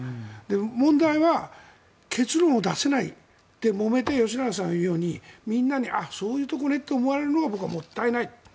問題は結論を出せないでもめて吉永さんが言うようにみんなにそういうところねと思われるのが僕はもったいない。